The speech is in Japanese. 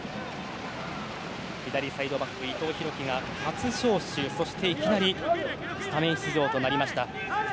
左サイドバック伊藤洋輝が初招集そしていきなりスタメン出場となりました。